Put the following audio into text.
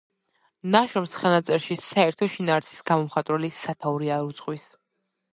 ნაშრომს ხელნაწერში საერთო შინაარსის გამომხატველი სათაური არ უძღვის.